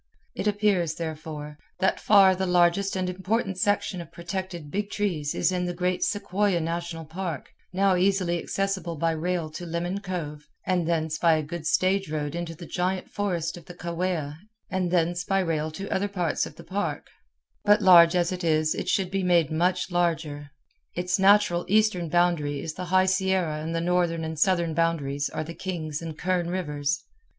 It appears, therefore, that far the largest and important section of protected big trees is in the great Sequoia National Park, now easily accessible by rail to Lemon Cove and thence by a good stage road into the giant forest of the Kaweah and thence by rail to other parts of the park; but large as it is it should be made much larger. Its natural eastern boundary is the High Sierra and the northern and southern boundaries are the Kings and Kern Rivers.